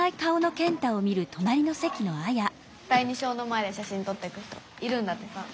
第二小の前でしゃしんとってく人いるんだってさ。